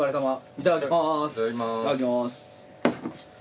いただきます。